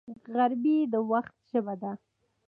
• عقربې د وخت ژبه ده.